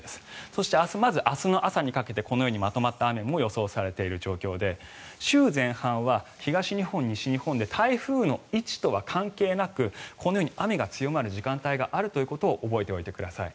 そして、まず明日の朝にかけてまとまった雨も予想されている状況で週前半は東日本、西日本で台風の位置とは関係なくこのように雨が強まる時間帯があるということを覚えておいてください。